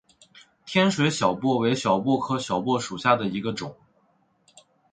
天水小檗为小檗科小檗属下的一个种。